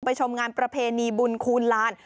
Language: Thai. ชมงานประเพณีบุญคูณลาน